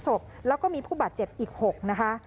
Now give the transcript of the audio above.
เสียชีวิต๒ศพแล้วก็มีผู้บาดเจ็บอีก๖นะคะ